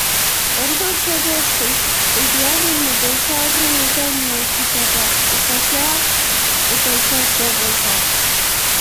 Orduz geroztik, hiriaren bereizgarri dira unibertsitatea, ikasleak eta ikasle-egoitzak.